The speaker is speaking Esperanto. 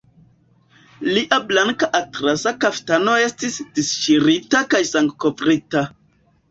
Lia blanka atlasa kaftano estis disŝirita kaj sangkovrita.